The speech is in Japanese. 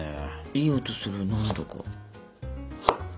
いい音する何だか。